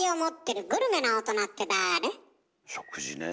食事ねぇ。